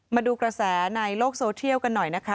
มาดูกระแสในโลกโซเทียลกันหน่อยนะคะ